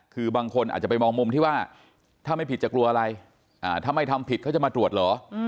คือบางคนอาจจะไปมองมุมที่ว่าถ้าไม่ผิดจะกลัวอะไรถ้าไม่ทำผิดเขาจะมาตรวจเหรอ